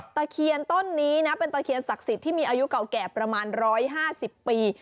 ตะเคียนต้นนี้นะเป็นตะเคียนศักดิ์สิทธิ์ที่มีอายุเก่าแก่ประมาณ๑๕๐ปี